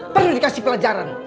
perlu dikasih pelajaran